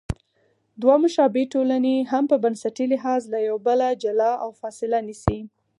دوه مشابه ټولنې هم په بنسټي لحاظ له یو بله جلا او فاصله نیسي.